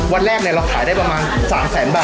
วันแรกเนี่ยเราขายได้ประมาณสามแสนบาท